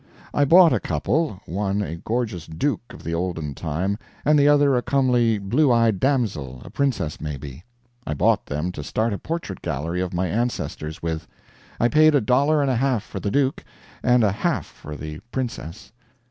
I bought a couple one a gorgeous duke of the olden time, and the other a comely blue eyed damsel, a princess, maybe. I bought them to start a portrait gallery of my ancestors with. I paid a dollar and a half for the duke and a half for the princess.